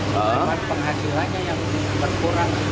karena penghasilannya yang berkurang